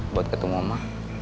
buat ketemu mama